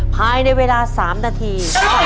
ภายในเวลา๓นาที